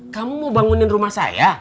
kamu mau bangunin rumah saya